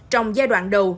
trong giai đoạn đầu